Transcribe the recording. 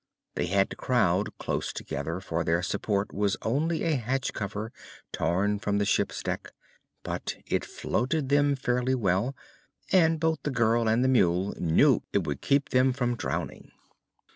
They had to crowd close together, for their support was only a hatch cover torn from the ship's deck; but it floated them fairly well and both the girl and the mule knew it would keep them from drowning.